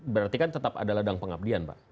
berarti kan tetap ada ladang pengabdian pak